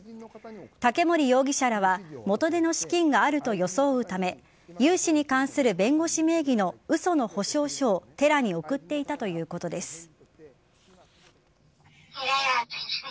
竹森容疑者らは元手の資金があると装うため融資に関する弁護士名義の嘘の保証書をテラに送っていたということです。